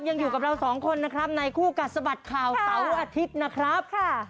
ยังอยู่กับเราสองคนนะครับในคู่กัดสะบัดข่าวเสาร์อาทิตย์นะครับ